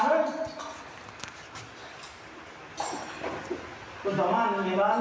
บ่นต่อมาเรื่องของการทำงานบ้าน